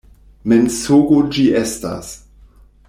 Mensogo ĝi estas!